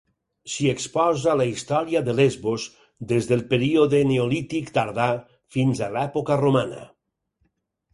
S'hi exposa la història de Lesbos des del període neolític tardà fins a l'època romana.